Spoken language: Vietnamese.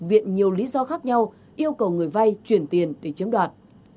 viện nhiều lý do khác nhau yêu cầu người vay chuyển tiền để chiếm đoạt